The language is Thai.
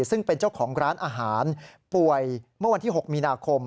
ซึ่งเป็นเจ้าของร้านอาหารป่วยเมื่อวันที่๖มีนาคม